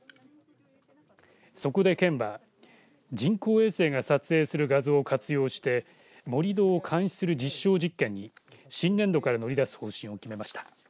そこで県は人工衛星が撮影する画像を活用して盛り土を監視する実証実験に新年度から乗り出す方針を決めました。